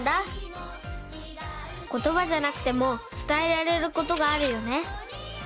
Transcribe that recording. ことばじゃなくてもつたえられることがあるよね。